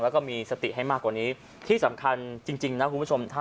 แล้วก็มีสติให้มากกว่านี้ที่สำคัญจริงนะคุณผู้ชม